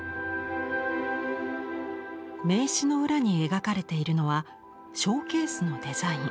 名刺の裏に描かれているのはショーケースのデザイン。